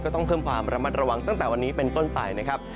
ต้องเพิ่มความระมัดระวังตั้งแต่วันนี้เป็นต้นไปนะครับ